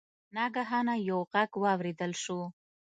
ناګهانه یو غږ واوریدل شو.